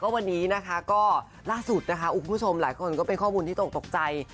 วันนี้ล่าสุดอุ้มผู้ชมหลายคนก็เค้าคอบพูนที่ตกตกใจ